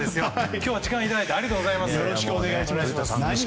今日は時間をいただいてありがとうございます。